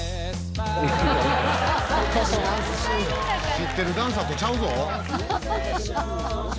知ってるダンサーとちゃうぞ。